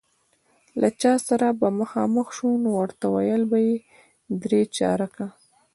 له چا سره به مخامخ شو، نو ورته ویل به یې درې چارکه.